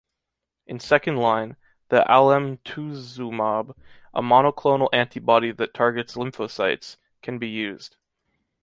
In second-line, the alemtuzumab, a monoclonal antibody that targets lymphocytes, can be used.